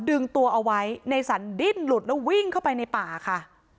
ดึงตัวเอาไว้ในสรรดิ้นหลุดแล้ววิ่งเข้าไปในป่าค่ะ